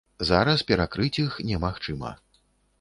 Зараз перакрыць іх немагчыма.